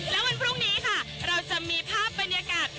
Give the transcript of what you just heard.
และวันพรุ่งนี้ค่ะเราจะมีภาพบรรยากาศ